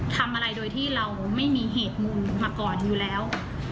ทำอะไรโดยที่เราไม่มีเหตุมุมมาก่อนอยู่แล้ว